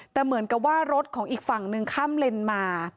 แต่เหมือนกับว่ารถของอีกฝั่งหนึ่งข้ามเลนมา